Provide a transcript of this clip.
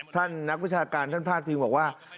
นักวิชาการท่านพาดพิงบอกว่า